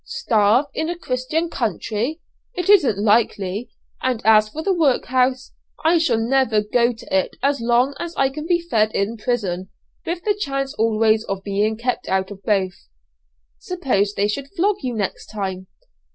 Starve in a Christian country? It isn't likely; and as for the workhouse, I shall never go to it as long as I can be fed in prison, with the chance always of keeping out of both?" "Suppose they should flog you next time?"